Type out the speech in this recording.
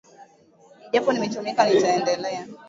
Ijapo nimechoka nitaendelea